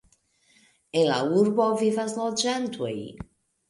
En la urbo vivas loĝantoj.